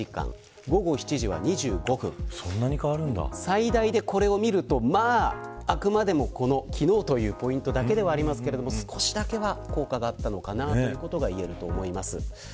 最大で、これを見るとあくまでも昨日というポイントだけではありますが少しだけは効果があったのかなといえると思います。